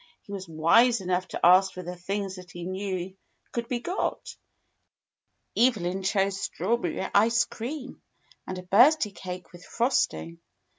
He was wise enough to ask for the things that he knew could be got. Evelyn chose strawberry ice cream and a birthday cake with frost ing.